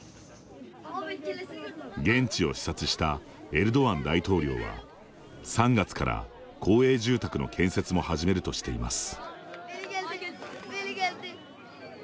現地を視察したエルドアン大統領は３月から、公営住宅の建設も始めるとしています。